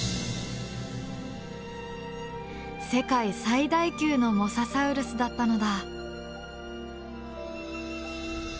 世界最大級のモササウルスだったのだ。